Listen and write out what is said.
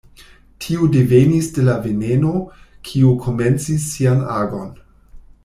Tio devenis de la veneno, kiu komencis sian agon.